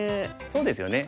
そうですよね。